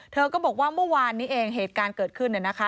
เธอก็บอกว่าเมื่อวานนี้เองเหตุการณ์เกิดขึ้นเนี่ยนะคะ